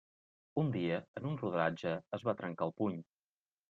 Un dia, en un rodatge, es va trencar el puny.